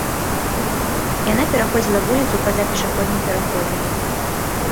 Яна пераходзіла вуліцу па-за пешаходным пераходам.